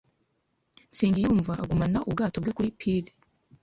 Nsengiyumva agumana ubwato bwe kuri pir.